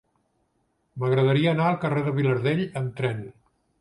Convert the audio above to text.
M'agradaria anar al carrer de Vilardell amb tren.